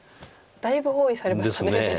だいぶ包囲されましたね。ですね。